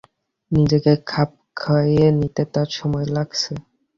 নিজেকে খাপ খাইয়ে নিতে তাঁর সময় লাগছে।